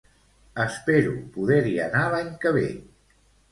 Espero poder-hi anar l'any que ve